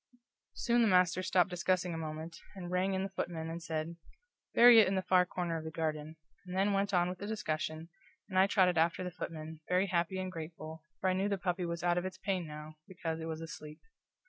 Soon the master stopped discussing a moment, and rang in the footman, and said, "Bury it in the far corner of the garden," and then went on with the discussion, and I trotted after the footman, very happy and grateful, for I knew the puppy was out of its pain now, because it was asleep.